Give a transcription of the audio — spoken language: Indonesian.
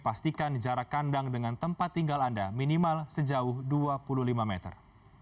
pastikan jarak kandang dengan tempat tinggal anda minimal sejauh dua puluh lima meter